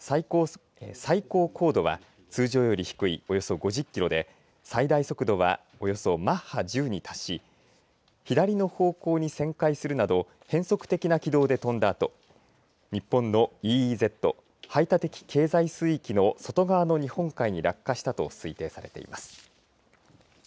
最高高度は通常より低いおよそ５０キロで最大速度はおよそマッハ１０に達し左の方向に旋回するなど変則的な軌道で飛んだあと日本のＥＥＺ・排他的経済水域の外側の日本海に落下したと推定されています。